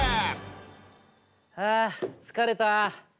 あ疲れた。